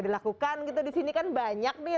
dilakukan di sini kan banyak nih